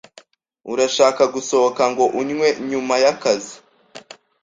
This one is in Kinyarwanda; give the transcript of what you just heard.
Urashaka gusohoka ngo unywe nyuma yakazi?